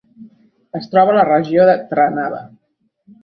Es troba a la regió de Trnava.